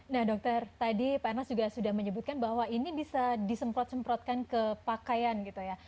nah dokter tadi pak ernest juga sudah menyebutkan bahwa ini bisa disemprot semprotkan ke pakaian gitu ya